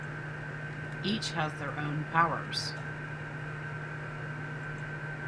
Each has their own powers.